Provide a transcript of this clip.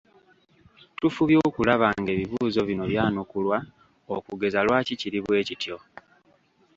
Tufubye okulaba ng'ebibuuzo bino byanukulwa okugeza lwaki kiri bwekityo?